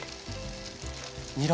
にら。